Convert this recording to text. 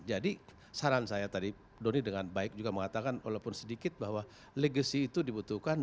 jadi saran saya tadi doni dengan baik juga mengatakan walaupun sedikit bahwa legasi itu dibutuhkan